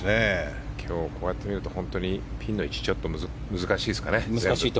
今日、こうやって見るとピンの位置が難しいですかね。